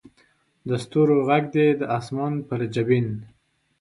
د ستورو ږغ دې د اسمان پر جبین